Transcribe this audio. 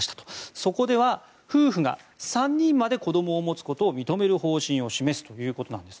そこでは夫婦が３人まで子どもを持つことを認める方針を示すということです。